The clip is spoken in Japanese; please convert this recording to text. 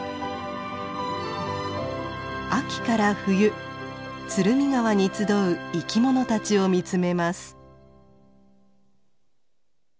秋から冬鶴見川に集う生きものたちを見つめます。